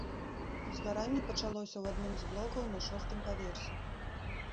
Узгаранне пачалося ў адным з блокаў на шостым паверсе.